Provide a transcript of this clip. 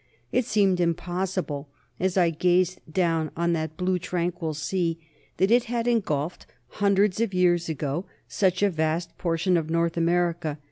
It seemed impossible, as I gazed down on that blue, tranquil sea, that it had engulfed, hundreds of years ago, such a vast portion of North America.